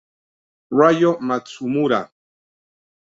Ryo Matsumura